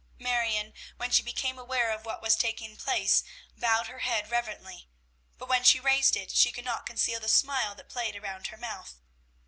Marion, when she became aware of what was taking place, bowed her head reverently; but when she raised it she could not conceal the smile that played around her mouth.